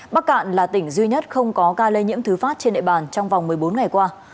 bắc cạn là tỉnh duy nhất không có ca lây nhiễm thứ phát trên địa bàn trong vòng một mươi bốn ngày qua